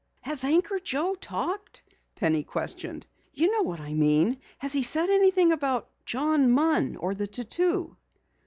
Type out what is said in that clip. "Has Anchor Joe talked?" Penny questioned. "You know what I mean. Has he said anything about John Munn or the tattoo?"